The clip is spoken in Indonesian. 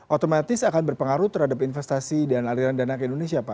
otomatis akan berpengaruh terhadap investasi dan aliran dana ke indonesia pak